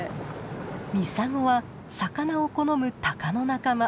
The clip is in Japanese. ミサゴは魚を好むタカの仲間。